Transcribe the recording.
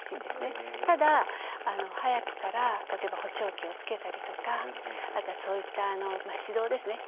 ただ早くから例えば補聴器をつけたりとかそういった指導ですね。